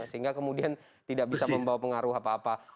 sehingga kemudian tidak bisa membawa pengaruh apa apa